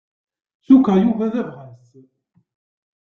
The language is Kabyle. Cukkeɣ Yuba d abɣas.